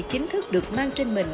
chính thức được mang trên mình